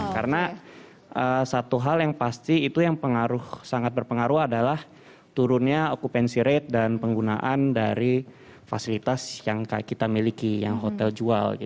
karena satu hal yang pasti itu yang sangat berpengaruh adalah turunnya okupansi rate dan penggunaan dari fasilitas yang kita miliki yang hotel jual